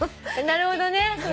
なるほどね。